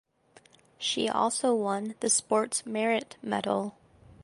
She also won the Sports Merit Medal.